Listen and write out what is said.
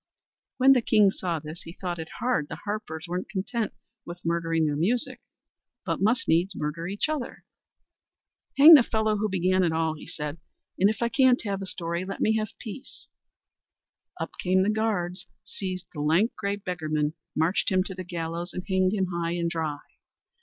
When the king saw this, he thought it hard the harpers weren't content with murdering their music, but must needs murder each other. "Hang the fellow who began it all," said he; "and if I can't have a story, let me have peace." Up came the guards, seized the lank, grey beggarman, marched him to the gallows and hanged him high and dry.